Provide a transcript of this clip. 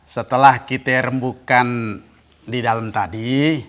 setelah kita rembukan di dalam tadi